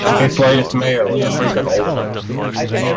Its latest mayor was Preben Olesen.